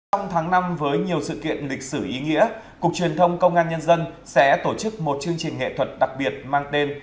trong tháng năm với nhiều sự kiện lịch sử ý nghĩa cục truyền thông công an nhân dân sẽ tổ chức một chương trình nghệ thuật đặc biệt mang tên